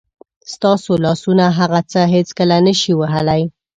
ستاسو لاسونه هغه څه هېڅکله نه شي وهلی.